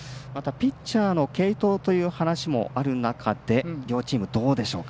ピッチャーの継投という話もある中で両チーム、どうでしょうか。